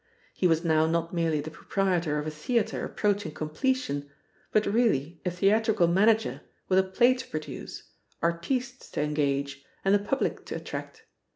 He was now not merely the proprietor of a theatre approaching completion, but really a theatrical manager with a play to produce, artistes to engage, and the public to attract.